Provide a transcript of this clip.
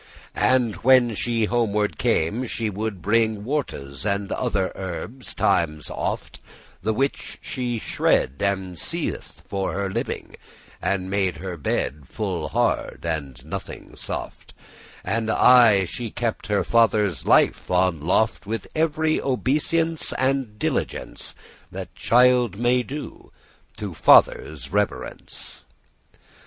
And when she homeward came, she would bring Wortes,* and other herbes, times oft, *plants, cabbages The which she shred and seeth'd for her living, And made her bed full hard, and nothing soft: And aye she kept her father's life on loft* *up, aloft With ev'ry obeisance and diligence, That child may do to father's reverence.